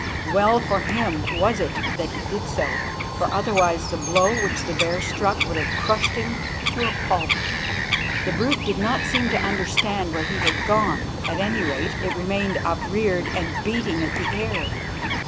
Well for him was it that he did so, for otherwise the blow which the bear struck would have crushed him to a pulp. The brute did not seem to understand where he had gone at any rate, it remained upreared and beating at the air.